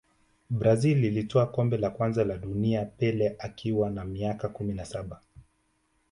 brazil ilitwaa kombe la kwanza la dunia pele akiwa na miaka kumi na saba